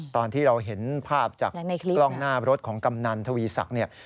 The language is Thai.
ตอนที่เราเห็นภาพจากกล้องหน้ารถของกำนันทวีศักดิ์เนี่ย